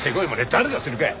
誰がするか。